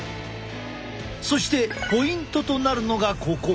そしてポイントとなるのがここ。